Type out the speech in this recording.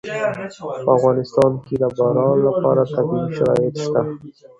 په افغانستان کې د باران لپاره طبیعي شرایط شته.